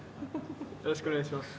よろしくお願いします